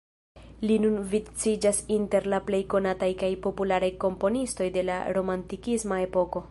Li nun viciĝas inter la plej konataj kaj popularaj komponistoj de la romantikisma epoko.